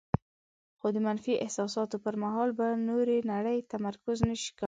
خو د منفي احساساتو پر مهال په نورې نړۍ تمرکز نشي کولای.